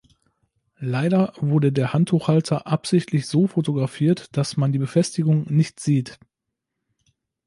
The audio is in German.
Leider wurde der Handtuchhalter absichtlich so fotografiert, dass man die Befestigung nicht sieht.